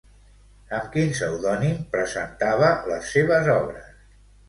Amb quin pseudònim presentava les seves obres?